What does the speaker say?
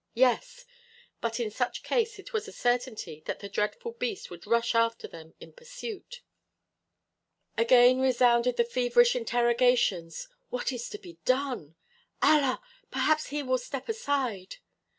Yes! But in such case it was a certainty that the dreadful beast would rush after them in pursuit. Again resounded the feverish interrogations: "What is to be done?" "Allah! Perhaps he will step aside."